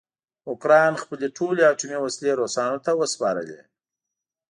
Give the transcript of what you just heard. اوکراین خپلې ټولې اټومي وسلې روسانو ته وسپارلې.